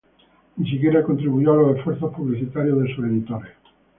Ni siquiera contribuyó a los esfuerzos publicitarios de sus editores.